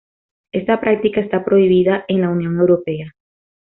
Esta práctica está prohibida en la Unión Europea.